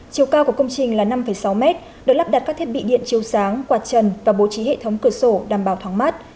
chiều cao của công trình là năm sáu mét được lắp đặt các thiết bị điện chiều sáng quạt trần và bố trí hệ thống cửa sổ đảm bảo thoáng mát